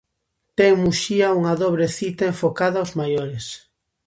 Ten Muxía unha dobre cita enfocada aos maiores.